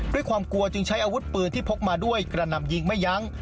ด้วยความกลัวจึงใช้อาวุธปืนที่พกมาด้วยกระหน่ำยิงไม่ยั้ง